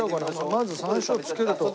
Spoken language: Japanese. まず山椒付けると。